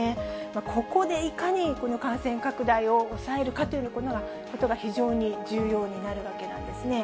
ここでいかにこの感染拡大を抑えるかということが、非常に重要になるわけなんですね。